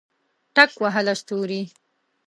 ټک وهله ستوري